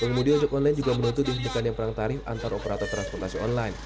pengemudi ojek online juga menuntut dihentikannya perang tarif antar operator transportasi online